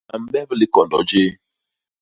A mbep likondo jéé.